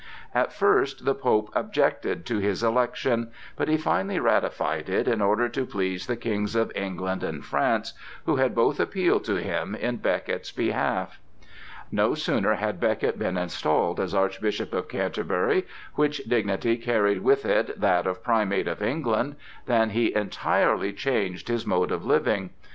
At first the Pope objected to his election, but he finally ratified it in order to please the kings of England and France, who had both appealed to him in Becket's behalf. No sooner had Becket been installed as Archbishop of Canterbury—which dignity carried with it that of Primate of England—than he entirely changed his mode of living.